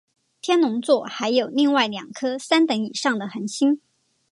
天龙座还有另外两颗三等以上的恒星。